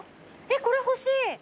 これ欲しい。